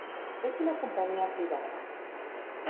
Es una compañía privada.